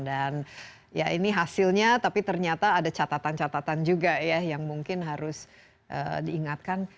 dan ya ini hasilnya tapi ternyata ada catatan catatan juga ya yang mungkin harus diingatkan